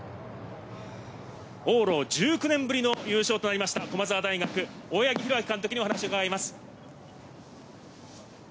往路１９年ぶりの優勝となりました駒澤大学・大八木弘明監督にお話を伺います。